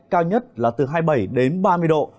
cao nhất là từ hai mươi bảy đến ba mươi độ